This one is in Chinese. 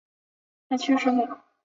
他去世后被葬于腓特烈斯贝的。